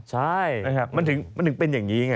ใช่นะครับมันถึงเป็นอย่างนี้ไง